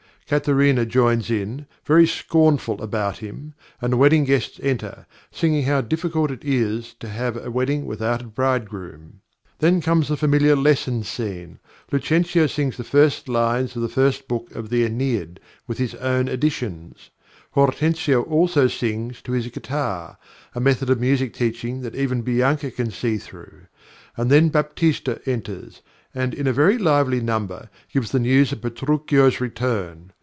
Katharina joins in, very scornful about him, and the wedding guests enter, singing how difficult it is to have a wedding without a bridegroom. Then comes the familiar lesson scene. Lucentio sings the first lines of the first book of the Æneid, with his own additions. Hortensio also sings to his guitar a method of music teaching that even Bianca can see through; and then Baptista enters, and, in a very lively number, gives the news of Petruchio's return.